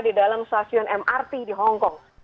di dalam stasiun mrt di hongkong